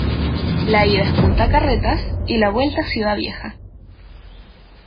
La ida es Punta Carretas y la vuelta Ciudad Vieja.